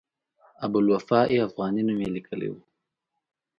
د ابوالوفاء افغاني نوم یې لیکلی و.